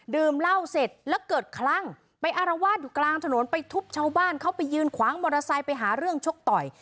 เหล้าเสร็จแล้วเกิดคลั่งไปอารวาสอยู่กลางถนนไปทุบชาวบ้านเข้าไปยืนขวางมอเตอร์ไซค์ไปหาเรื่องชกต่อย